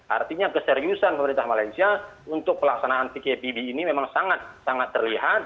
artinya keseriusan pemerintah malaysia untuk pelaksanaan pkpb ini memang sangat sangat terlihat